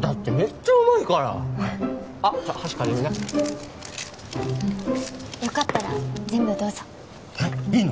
だってめっちゃうまいからあ箸借りるねよかったら全部どうぞえいいの？